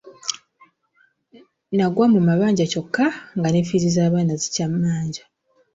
Nagwa mu mabanja kyokka nga ne ffiizi z'abaana zikyammanja.